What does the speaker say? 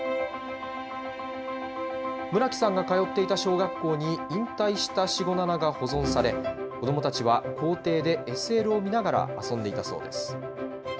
村木さんが通っていた小学校に、引退したシゴナナが保存され、子どもたちは校庭でＳＬを見ながら遊んでいたそうです。